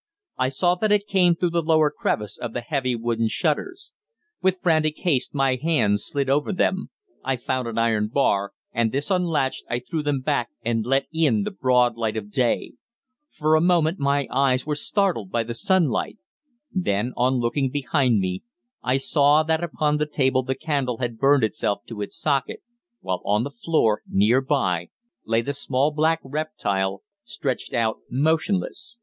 I saw that it came through the lower crevice of the heavy wooden shutters. With frantic haste my hands slid over them. I found an iron bar, and, this unlatched, I threw them back, and let in the broad light of day. For a moment my eyes were dazzled by the sunlight. Then, on looking behind me, I saw that upon the table the candle had burned itself to its socket, while on the floor, near by, lay the small black reptile stretched out motionless.